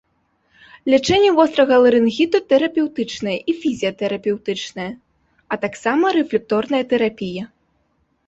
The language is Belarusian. Лячэнне вострага ларынгіту тэрапеўтычнае і фізіятэрапеўтычнае, а таксама рэфлекторная тэрапія.